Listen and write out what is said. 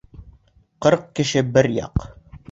Ҡырҡ кеше бер яҡ